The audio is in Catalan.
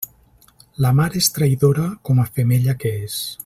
La mar és traïdora com a femella que és.